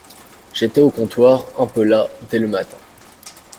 J’étais au comptoir, un peu las dès le matin.